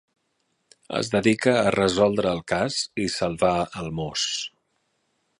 Es dedica a resoldre el cas i salvar el Moss.